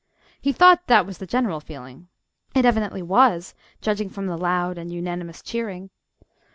He thought that was the general feeling. (It evidently was, judging from the loud and unanimous cheering).